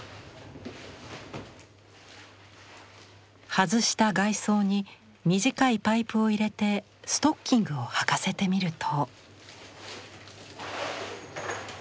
外した外装に短いパイプを入れてストッキングをはかせてみると。